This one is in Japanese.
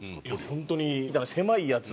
本当にだから狭いやつ。